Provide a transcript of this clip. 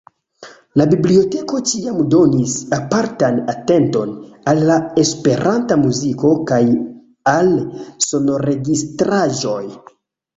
La biblioteko ĉiam donis apartan atenton al la esperanta muziko kaj al sonregistraĵoj.